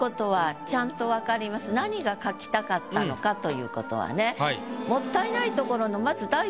何が書きたかったのかという事はね。